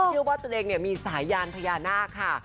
เชื่อว่าตัวเองมีสายยานพญานาคค่ะ